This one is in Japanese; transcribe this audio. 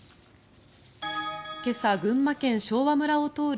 今朝、群馬県昭和村を通る